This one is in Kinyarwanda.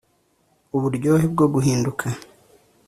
uburyohe bwo guhinduka